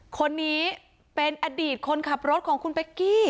คนนี้เป็นอดีตคนขับรถของคุณเป๊กกี้